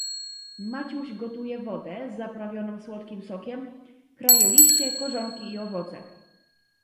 "Maciuś gotuje wodę, zaprawioną słodkim sokiem, kraje liście, korzonki i owoce."